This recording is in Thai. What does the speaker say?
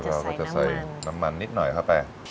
เราก็จะใส่น้ำมันนิดหน่อยเข้าไป